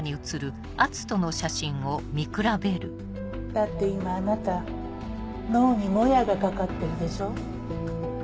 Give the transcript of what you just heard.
だって今あなた脳にモヤがかかってるでしょ？